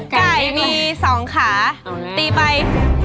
ไก่มี๒ขาตีไป